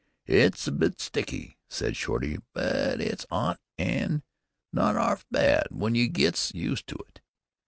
"It's a bit sticky," said Shorty, "but it's 'ot, an' not 'arf bad w'en you gets used to it.